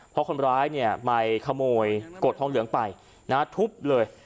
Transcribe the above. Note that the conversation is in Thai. เพราะคนร้ายเนี่ยไปขโมยกดทองเหลืองไปทุบเลย